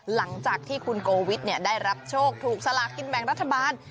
หลังจากที่คุณโกวิทได้รับโชคถูกสลากกินแบ่งรัฐบาล